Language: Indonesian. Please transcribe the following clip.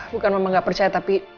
bukan mama gak percaya tapi